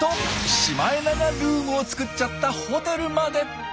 シマエナガルームを作っちゃったホテルまで。